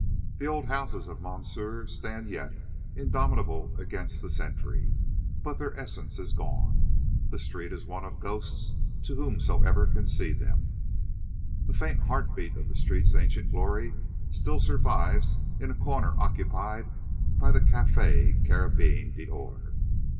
The old houses of monsieur stand yet, indomitable against the century, but their essence is gone. The street is one of ghosts to whosoever can see them. A faint heartbeat of the street's ancient glory still survives in a corner occupied by the Café Carabine d'Or.